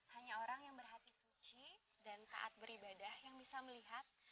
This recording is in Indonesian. hanya orang yang berhati suci dan taat beribadah yang bisa melihat